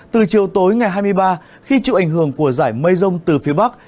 từ chiều tối ngày hai mươi ba khi chịu ảnh hưởng của giải mây rông từ phía bắc